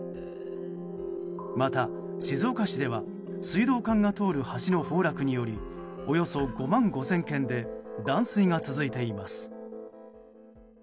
また、静岡市では水道管が通る橋の崩落によりおよそ５万５０００軒で断水が続いています。